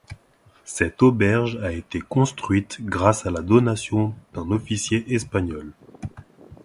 Cette auberge a été construite grâce à la donation d'un officier espagnol.